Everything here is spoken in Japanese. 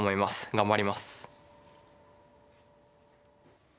頑張ります。